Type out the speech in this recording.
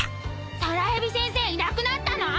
さらへび先生いなくなったの？